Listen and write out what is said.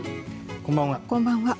こんばんは。